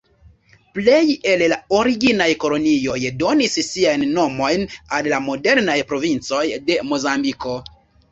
Plej el la originaj kolonioj donis siajn nomojn al la modernaj provincoj de Mozambiko.